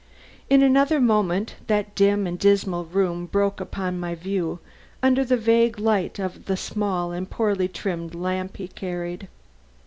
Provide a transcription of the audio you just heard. In another moment that dim and dismal room broke upon my view under the vague light of the small and poorly trimmed lamp he carried.